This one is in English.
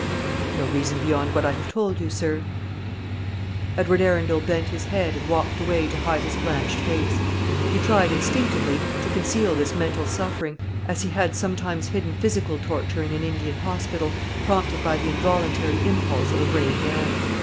"No reason beyond what I have told you, sir." Edward Arundel bent his head, and walked away to hide his blanched face. He tried instinctively to conceal this mental suffering, as he had sometimes hidden physical torture in an Indian hospital, prompted by the involuntary impulse of a brave man.